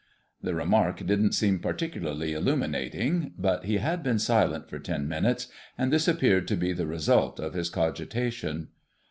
The remark didn't seem particularly illuminating, but he had been silent for ten minutes, and this appeared to be the result of his cogitation.